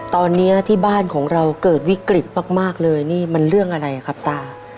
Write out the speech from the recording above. ตอนนี้ที่บ้านของเราเกิดวิกฤตมากเลยนี่มันเรื่องอะไรครับตา